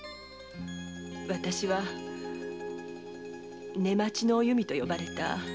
わたしは「寝待ちのお弓」と呼ばれた盗っ人でした。